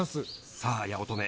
さあ、八乙女。